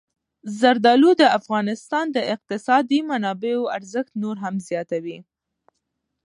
زردالو د افغانستان د اقتصادي منابعو ارزښت نور هم زیاتوي.